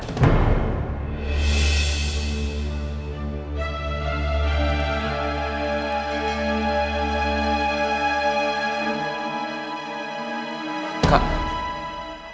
kenapa kamu tak lulus